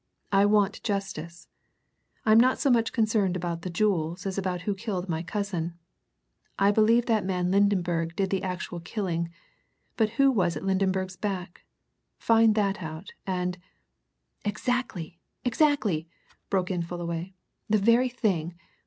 "I want justice. I'm not so much concerned about the jewels as about who killed my cousin. I believe that man Lydenberg did the actual killing but who was at Lydenberg's back? Find that out, and " "Exactly exactly!" broke in Fullaway. "The very thing!